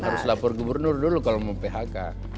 harus lapor gubernur dulu kalau mau phk